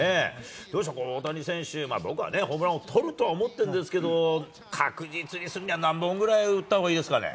どうでしょう、大谷選手、僕はね、ホームラン王取るとは思ってるんですけど、確実にするには何本ぐらい打ったほうがいいですかね。